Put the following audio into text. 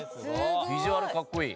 ビジュアルかっこいい。